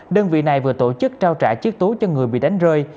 đơn vị này vừa tổ chức trao trả chiếc túi cho người bị đánh rơi